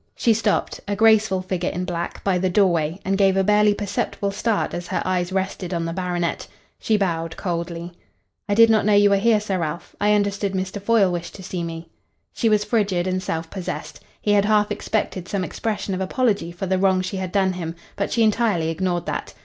She stopped, a graceful figure in black, by the doorway, and gave a barely perceptible start as her eyes rested on the baronet. She bowed coldly. "I did not know you were here, Sir Ralph. I understood Mr. Foyle wished to see me." She was frigid and self possessed. He had half expected some expression of apology for the wrong she had done him, but she entirely ignored that.